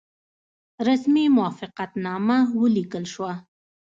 رسمي موافقتنامه ولیکل شوه.